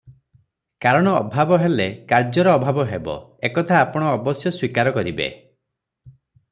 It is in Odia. କାରଣ ଅଭାବ ହେଲେ କାର୍ଯ୍ୟର ଅଭାବ ହେବ, ଏ କଥା ଆପଣ ଅବଶ୍ୟ ସ୍ୱୀକାର କରିବେ ।